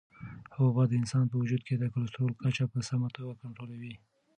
حبوبات د انسان په وجود کې د کلسترولو کچه په سمه توګه کنټرولوي.